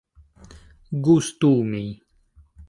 gustumi